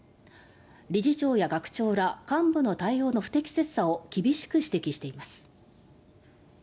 理事長や学長ら幹部の対応の不適切さを厳しく指摘しています。